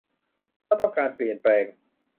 ถ้าต้องการเปลี่ยนแปลง